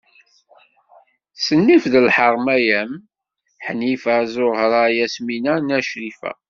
S nnif d lḥerma am: Ḥnifa, Zuhra, Yasmina, Na Crifa.